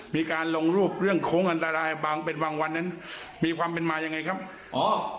มีการลงรูปเรื่องโค้งอันตรายบางเป็นบางวันนั้นมีความเป็นมายังไงครับอ๋อ